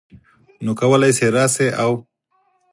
نو کولی شې راشې او